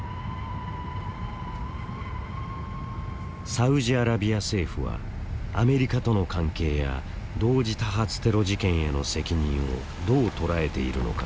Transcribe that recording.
サウジアラビア政府はアメリカとの関係や同時多発テロ事件への責任をどう捉えているのか。